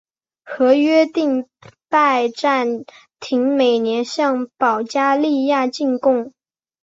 合约规定拜占庭每年向保加利亚进贡。